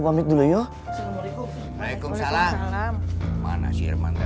pul di basecampa yang sekarang